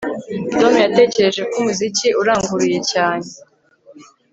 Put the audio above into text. Tom yatekereje ko umuziki uranguruye cyane